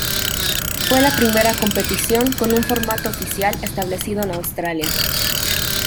Fue la primera competición con un formato oficial establecido en Australia.